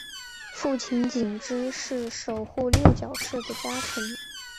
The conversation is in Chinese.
父亲景之是守护六角氏的家臣。